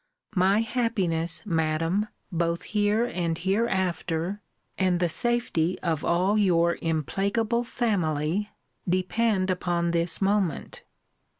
My happiness, Madam, both here and hereafter, and the safety of all your implacable family, depend upon this moment.